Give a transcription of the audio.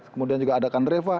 kemudian juga ada kandreva